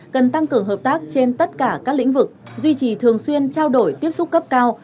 cần tăng cường hợp tác trên tất cả các lĩnh vực duy trì thường xuyên trao đổi tiếp xúc cấp cao